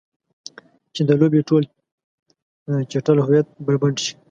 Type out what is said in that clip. چې د لوبې ټول چټل هویت بربنډ شي.